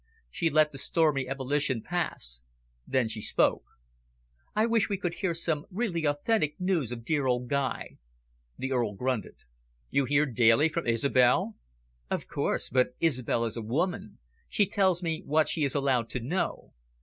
She let the stormy ebullition pass. Then she spoke. "I wish we could hear some really authentic news of dear old Guy." The Earl grunted. "You hear daily from Isobel?" "Of course, but Isobel is a woman. She tells me what she is allowed to know.